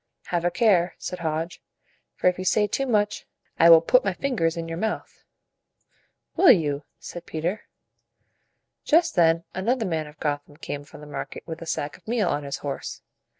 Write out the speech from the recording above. "Have a care," said Hodge; "for if you say too much, I will put my fingers in your mouth." "Will you?" said Peter. Just then another man of Gotham came from the market with a sack of meal on his horse.